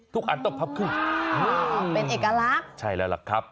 อันต้องพับครึ่งเป็นเอกลักษณ์ใช่แล้วล่ะครับ